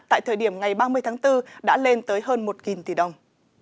tại thời điểm ngày ba mươi tháng bốn đã lên tới hơn một tỷ đồng